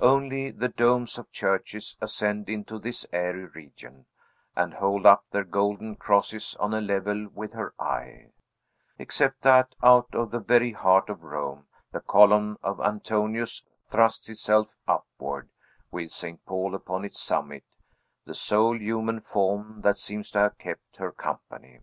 Only the domes of churches ascend into this airy region, and hold up their golden crosses on a level with her eye; except that, out of the very heart of Rome, the column of Antoninus thrusts itself upward, with St. Paul upon its summit, the sole human form that seems to have kept her company.